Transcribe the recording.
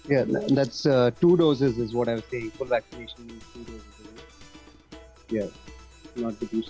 ya itu dua dosis itu yang saya katakan full vaccination dua dosis